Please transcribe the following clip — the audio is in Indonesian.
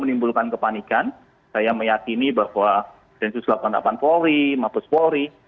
menimbulkan kepanikan saya meyakini bahwa densus delapan puluh delapan polri mabes polri